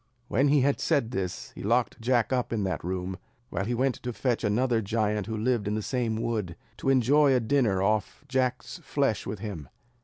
When he had said this, he locked Jack up in that room, while he went to fetch another giant who lived in the same wood, to enjoy a dinner off Jack's flesh with him.